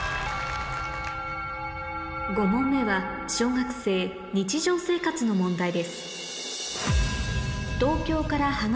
５問目は小学生日常生活の問題です